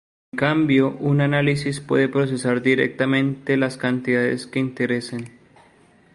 En cambio, un análisis puede procesar directamente las cantidades que interesen.